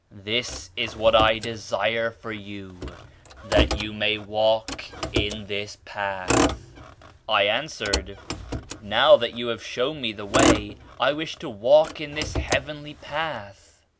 This is what I desire for you; — that you may walk in this path." I answered "Now that you have shown me the way, I wish to walk in this heavenly path."